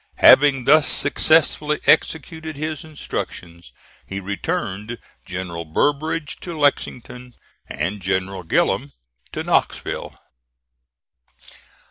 Having thus successfully executed his instructions, he returned General Burbridge to Lexington and General Gillem to Knoxville.